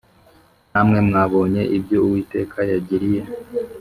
Namwe mwabonye ibyo Uwiteka yagiriye